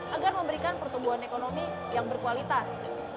agar memberikan pertumbuhan ekonomi yang berkualitas